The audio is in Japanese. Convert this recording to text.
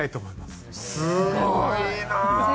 すごいな！